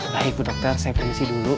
baik bu dokter saya pergi istirahat dulu